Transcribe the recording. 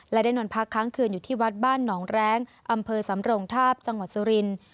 และได้นอนพักค้างคืนอยู่ที่วัดบ้านหนองแร้งอำเภอสำรงทาบจังหวัดสุรินทร์